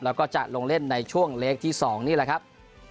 แล้วก็จะลงเล่นในช่วงเล็กที่๒นี่แหละครับ